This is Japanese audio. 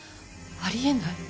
ありえない。